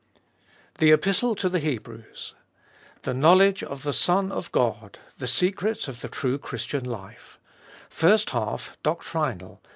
THE EPISTLE TO THE HEBREWS. Eije ItnofoUoge of tfje Son of ffiotr tjje Secret of ttje Erue Christian 3Ltfe, FIRST HALF— DOCTRINAL.